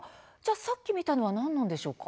さっき見たのは何なんでしょうか。